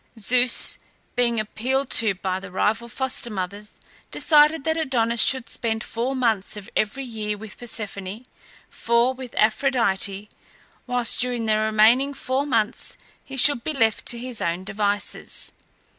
Zeus, being appealed to by the rival foster mothers, decided that Adonis should spend four months of every year with Persephone, four with Aphrodite, whilst during the remaining four months he should be left to his own devices.